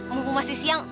mumpung masih siang